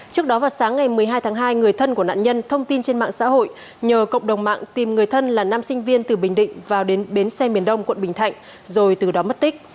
trước đó vào sáng ngày một mươi hai tháng hai người thân của nạn nhân thông tin trên mạng xã hội nhờ cộng đồng mạng tìm người thân là nam sinh viên từ bình định vào đến bến xe miền đông quận bình thạnh rồi từ đó mất tích